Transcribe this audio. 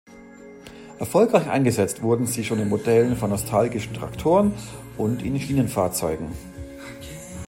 Erfolgreich eingesetzt wurden sie schon in Modellen von nostalgischen Traktoren und in Schienenfahrzeugen.